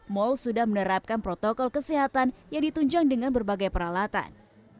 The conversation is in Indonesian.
mal sudah menerapkan protokol kesehatan yang ditunjang dengan berbagai peralatan